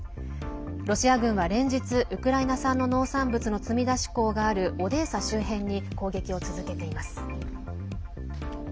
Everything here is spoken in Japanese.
ロシア軍は連日ウクライナ産の農産物の積み出し港がある黒海に面するオデーサ周辺に攻撃を続けています。